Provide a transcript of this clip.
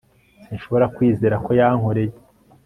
Sinshobora kwizera ko yankoreye